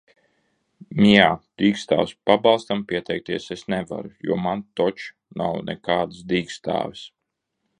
Mjā, dīkstāves pabalstam pieteikties es nevaru, jo man toč nav nekādas dīkstāves!